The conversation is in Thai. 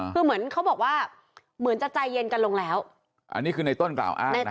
คือเหมือนเขาบอกว่าเหมือนจะใจเย็นกันลงแล้วอันนี้คือในต้นกล่าวอ้าง